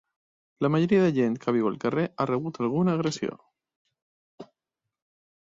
La majoria de gent que viu al carrer ha rebut alguna agressió.